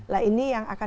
lah ini yang akan